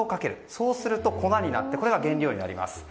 そうすると粉になってこれが原料になります。